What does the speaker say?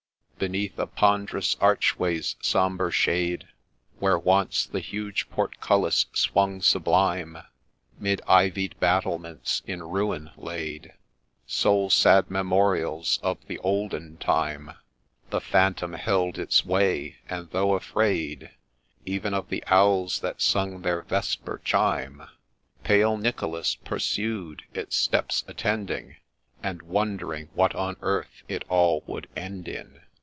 Beneath a pond'rous 'archway's sombre shade, Where once the huge portcullis swung sublime, 'Mid ivied battlements in ruin laid, • Sole, sad memorials of the olden time, The Phantom held its way, — and though afraid Even of the owls that sung their vesper chime, Pale Nicholas pursued, its steps attending, And wondering what on earth it all would end in.